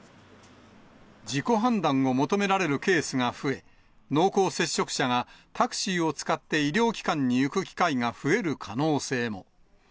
自己判断を求められるケースが増え、濃厚接触者がタクシーを使って医療機関に行く機会が増える可能性も。